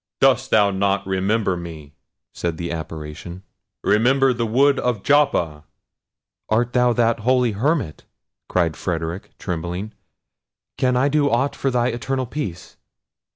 "Dost thou not remember me?" said the apparition. "Remember the wood of Joppa!" "Art thou that holy hermit?" cried Frederic, trembling. "Can I do aught for thy eternal peace?"